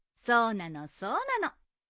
そうなのそうなの。